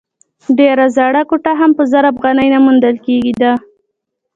ډېره زړه کوټه هم په زر افغانۍ نه موندل کېده.